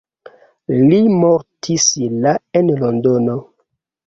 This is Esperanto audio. Li mortis la en Londono.